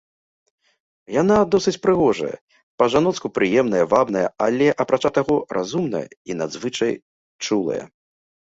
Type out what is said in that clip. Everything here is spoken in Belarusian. Яна досыць прыгожая, па-жаноцку прыемная, вабная, але, апрача таго, разумная і надзвычай чулая.